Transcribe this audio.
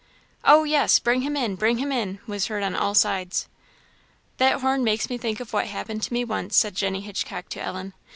"Oh, yes! bring him in bring him in," was heard on all sides. "That horn makes me think of what happened to me once," said Jenny Hitchcock to Ellen.